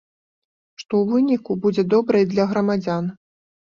Што ў выніку будзе добра і для грамадзян.